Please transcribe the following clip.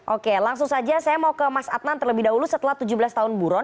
oke langsung saja saya mau ke mas adnan terlebih dahulu setelah tujuh belas tahun buron